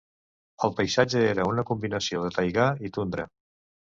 El paisatge era una combinació de taigà i tundra.